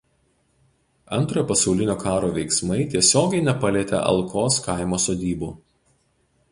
Antrojo pasaulinio karo veiksmai tiesiogiai nepalietė Alkos kaimo sodybų.